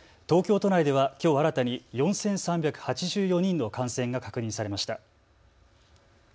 東京都内ではきょう新たに４３８４人の感染が確認されました。